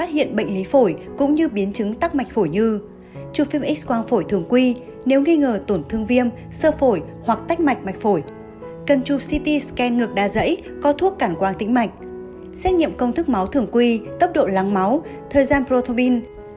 xét nghiệm công thức máu thường quy tốc độ lắng máu thời gian protobin